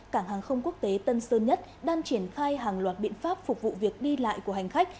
cảng hàng không quốc tế tân sơn nhất đang triển khai hàng loạt biện pháp phục vụ việc đi lại của hành khách